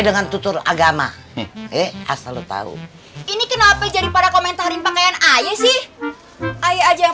dengan tutur agama eh asal lu tahu ini kenapa jadi para komentarin pakaian aja sih aja yang